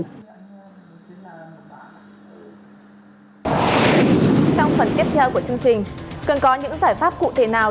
trong phần tiếp theo của chương trình cần có những giải pháp cụ thể nào